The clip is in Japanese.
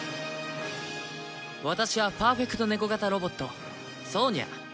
ワタシはパーフェクトネコ型ロボットソーニャ。